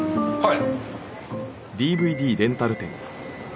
はい。